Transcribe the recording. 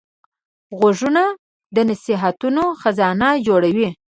غوږونه د نصیحتو خزانه جوړوي